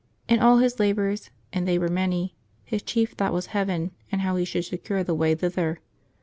In all his labors — and they were many — his chief thought was heaven and how he should secure the way thither.